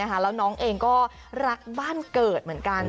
แล้วน้องเองก็รักบ้านเกิดเหมือนกัน